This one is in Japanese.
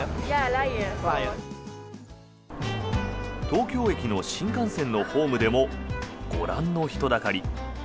東京駅の新幹線のホームでもご覧の人だかり。